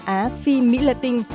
á phi mỹ lê tinh